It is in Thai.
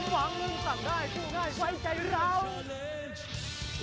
ผมหวังนึงสั่งได้คู่ง่ายไว้ใจเรา